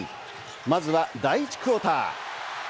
まずは第１クオーター。